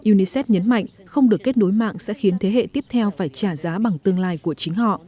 unicef nhấn mạnh không được kết nối mạng sẽ khiến thế hệ tiếp theo phải trả giá bằng tương lai của chính họ